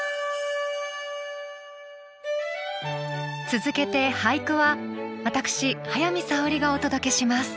続けて俳句は私早見沙織がお届けします。